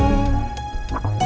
terima kasih pak chandra